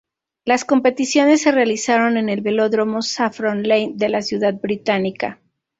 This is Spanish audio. Las competiciones se realizaron en el Velódromo Saffron Lane de la ciudad británica.